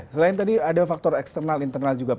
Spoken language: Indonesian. selain tadi ada faktor eksternal internal juga pak